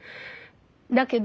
だけど。